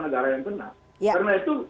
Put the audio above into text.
negara yang benar karena itu